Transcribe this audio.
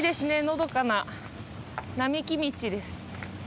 のどかな並木道です